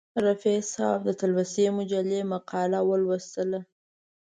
رفیع صاحب د تلوسې مجلې مقاله ولوستله.